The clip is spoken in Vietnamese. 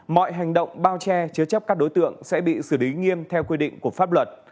mọi hành động bao che chứa chấp các đối tượng sẽ bị xử lý nghiêm theo quy định của pháp luật